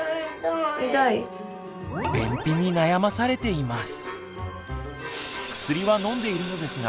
便秘に悩まされています。